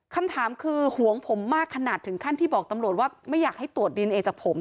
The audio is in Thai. คำถามคือห่วงผมมากขนาดถึงขั้นที่บอกตำรวจว่าไม่อยากให้ตรวจดีเอนเอจากผม